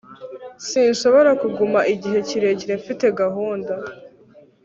sinshobora kuguma igihe kirekire. mfite gahunda